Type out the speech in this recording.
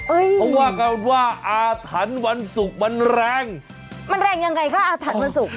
เอ้ยเพราะว่ากลัวว่าอาถันวันสุกมันแรงมันแรงยังไงคะอาถันวันสุก